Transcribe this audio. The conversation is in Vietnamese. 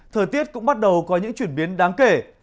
thời tiết cũng bắt đầu có những chuyển biến đáng kể